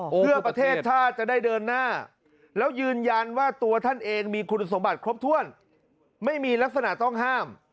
เพื่อประเทศชาติจะได้เดินหน้าแล้วยืนยันว่าตัวท่านเองมีคุณสมบัติครบถ้วนไม่มีลักษณะต้องห้าม